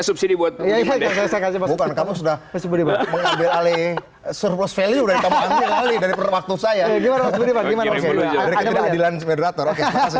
subsidi buat yahya saya saya kasih bukan tanpa sudah sampai di mana bukar gotta a emails bu tut fateah